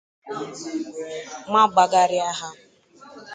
ma bagharịa ya aha